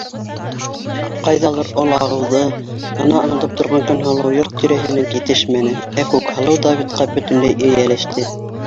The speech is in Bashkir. Ҡайҙалыр олағыуҙы ғына аңдып торған Көнһылыу йорт тирәһенән китешмәне, ә Күкһылыу Давидҡа бөтөнләй эйәләште.